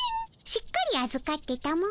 しっかりあずかってたも。